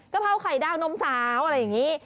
เพราไข่ดาวนมสาวอะไรอย่างนี้